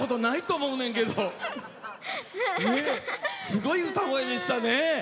すごい歌声でしたね。